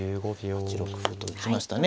８六歩と打ちましたね。